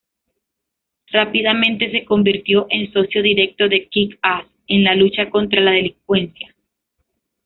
Rápidamente se convirtió en socio directo de Kick-Ass en la lucha contra la delincuencia.